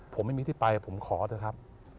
ผมไม่มีที่ไปผมขอเถอะครับ